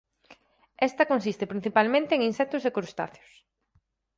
Esta consiste principalmente en insectos e crustáceos.